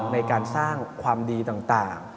ในการสร้างความดีต่าง